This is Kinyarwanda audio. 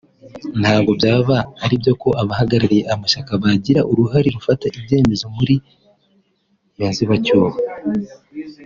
ntabwo byaba aribyo ko abahagarariye amashyaka bagira uruhari rufata ibyemezo mur’iyo nzibacyuho